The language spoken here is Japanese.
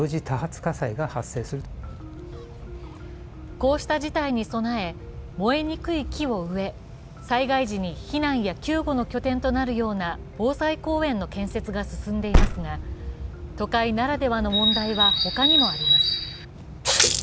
こうした事態に備え、燃えにくい木を植え、災害時に避難や救護の拠点となるような防災公園の建設が進んでいますが都会ならではの問題は他にもあります。